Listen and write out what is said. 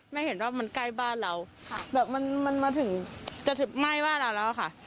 เห็นว่ามันใกล้บ้านเราแบบมันมาถึงจะถึงไหม้บ้านเราแล้วค่ะ